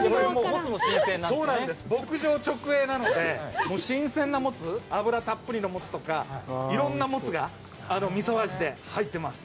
牧場直営なので、新鮮なモツ、脂たっぷりのモツとか、いろんなモツがみそ味で入っています。